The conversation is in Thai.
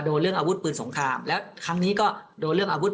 เรื่องอาวุธปืนสงครามแล้วครั้งนี้ก็โดนเรื่องอาวุธ